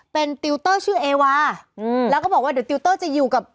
เป็นติวเตอร์ชื่อเอวาอืมแล้วก็บอกว่าเดี๋ยวติวเตอร์จะอยู่กับ